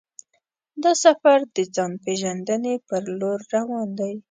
دا سفر د ځان پېژندنې پر لور روان دی.